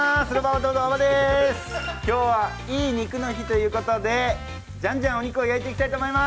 今日はいい肉の日ということでじゃんじゃんお肉を焼いていきます。